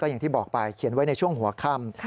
อย่างที่บอกไปเขียนไว้ในช่วงหัวค่ำ